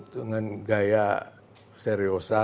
dengan gaya seriusa